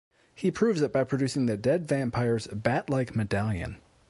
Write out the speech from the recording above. He proves it by producing the dead vampire's bat-like medallion.